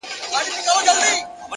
هره ورځ د ځان د اصلاح فرصت دی